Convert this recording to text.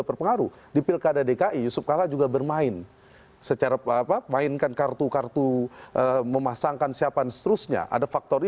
meninggalkan dki jakarta